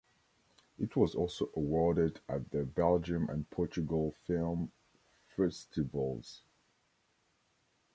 It was also awarded at the Belgium and Portugal film festivals.